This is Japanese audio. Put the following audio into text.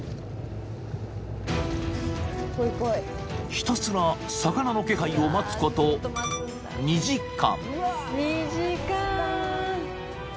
［ひたすら魚の気配を待つこと２時間］